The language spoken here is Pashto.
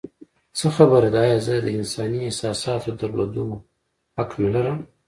څه خبره ده؟ ایا زه د انساني احساساتو د درلودو حق نه لرم؟